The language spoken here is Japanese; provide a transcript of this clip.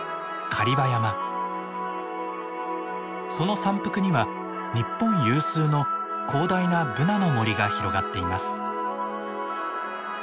その山腹には日本有数の広大なブナの森が広がっています。